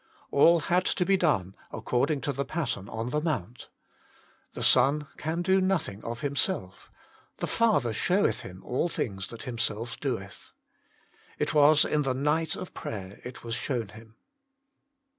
All had to be done according to the pattern on the mount. " The Son can do nothing of Himself: the Father showeth Him all things that Himself doeth." It was in the night of prayer it was shown Him.